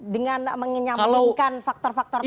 dengan menyambungkan faktor faktor tadi